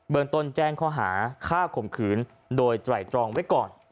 เบิร์นต้นแจ้งข้าข่มขืนโดยไตลองไว้ก่อน